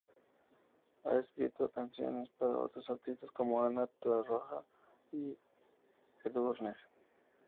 Ha escrito canciones para otros artistas como Ana Torroja y Edurne.